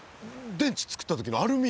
電池作った時のアルミ。